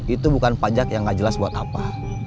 itu bukan pajak yang gak jelas buat apa